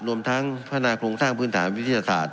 รวมทั้งพัฒนาโครงสร้างพื้นฐานวิทยาศาสตร์